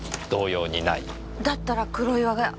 だったら黒岩が？